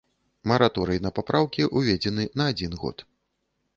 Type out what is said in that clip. Мараторый на папраўкі ўведзены на адзін год.